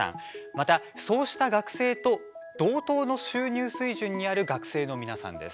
また、そうした学生と同等の収入水準にある学生の皆さんです。